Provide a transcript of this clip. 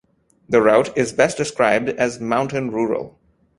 The route is best described as mountain-rural.